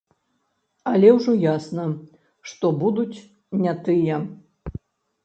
Але ўжо ясна, што будуць не тыя.